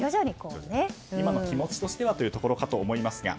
今の気持ちとしてはというところかと思いますが。